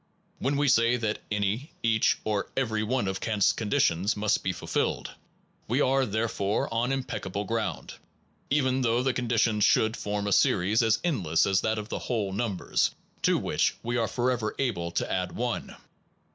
When we say that any/ each, or every one of Kant s conditions must be fulfilled, we are therefore on impeccable ground, even though the conditions should form a series as endless as that of the whole numbers, to which we are forever able to add one.